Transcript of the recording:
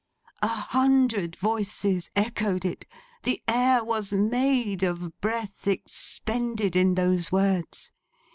A hundred voices echoed it. The air was made of breath expended in those words.